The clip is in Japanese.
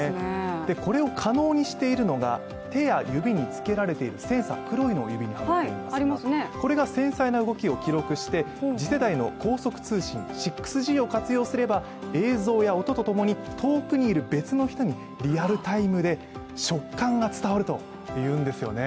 これを可能にしているのが手や指につけられているセンサー、黒いものを指にはめていますがこれが繊細な動きを記録して次世代の高速通信、６Ｇを活用すれば映像や音と共に遠くにいる別の人にリアルタイムで触感が伝わるというんですよね